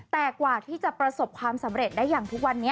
แต่กว่าที่จะประสบความสำเร็จได้อย่างทุกวันนี้